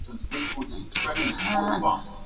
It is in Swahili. linalo shughulikia maswala ya maendeleo yaani